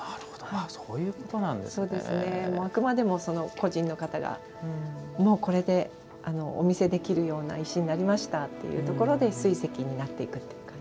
あくまでも、個人の方がもうこれでお見せできるような石になりましたっていうところで水石になっていくという感じ。